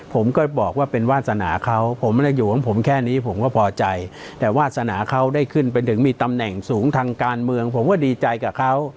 ผมก็บอกว่าเป็นวาสนาเขาผมไม่ได้อยู่ของผมแค่นี้ผมก็พอใจแต่วาสนาเขาได้ขึ้นไปถึงมีตำแหน่งสูงทางการเมืองผมก็ดีใจกับเขา